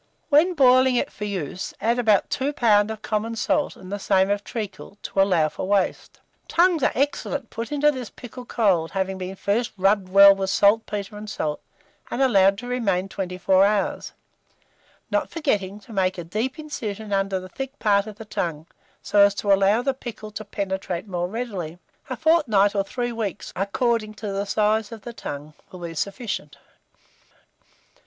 When boiling it for use, add about 2 lbs. of common salt, and the same of treacle, to allow for waste. Tongues are excellent put into this pickle cold, having been first rubbed well with saltpetre and salt, and allowed to remain 24 hours, not forgetting to make a deep incision under the thick part of the tongue, so as to allow the pickle to penetrate more readily. A fortnight or 3 weeks, according to the size of the tongue, will be sufficient.